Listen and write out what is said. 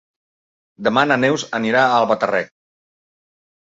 Demà na Neus anirà a Albatàrrec.